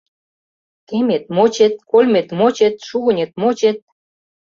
Кемет-мочет, кольмет-мочет, шугынет-мочет...